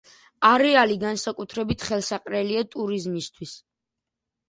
არეალი განსაკუთრებით ხელსაყრელია ტურიზმისთვის.